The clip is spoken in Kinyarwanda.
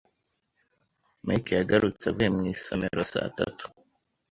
Mike yagarutse avuye mu isomero saa tanu.